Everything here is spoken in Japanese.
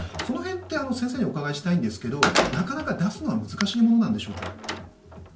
先生にお伺いしたいんですがなかなか出すのは難しいものでしょうか？